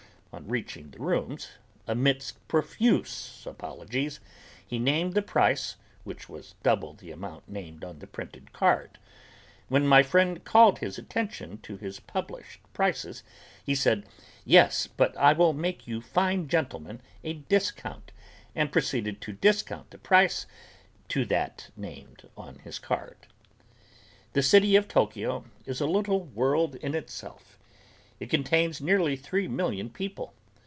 On reaching the rooms, amidst profuse apologies, he named the price which was double the amount named on the printed card. When my friend called his attention to his published prices he said: "Yes, but I will make you fine gentlemen a discount," and proceeded to discount the price to that named on his card. The city of Tokyo is a little world in itself. It contains nearly three million people.